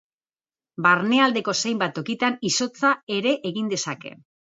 Barnealdeko zenbait tokitan, izotza ere egin dezake.